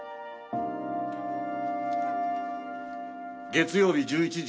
月曜日１１時。